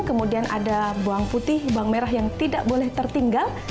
kemudian ada bawang putih bawang merah yang tidak boleh tertinggal